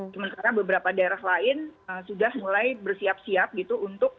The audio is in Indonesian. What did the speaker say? sementara beberapa daerah lain sudah mulai bersiap siap gitu